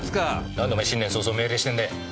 なんでお前新年早々命令してんだよ！